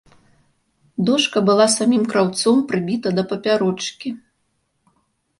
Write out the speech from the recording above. Дошка была самім краўцом прыбіта да папярочкі.